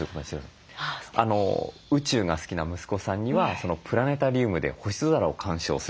宇宙が好きな息子さんにはプラネタリウムで星空を観賞する。